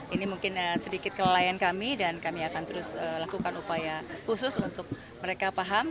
ini mungkin sedikit kelalaian kami dan kami akan terus lakukan upaya khusus untuk mereka paham